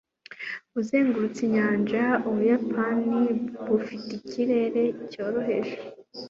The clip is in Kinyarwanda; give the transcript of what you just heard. uzengurutse inyanja, ubuyapani bufite ikirere cyoroheje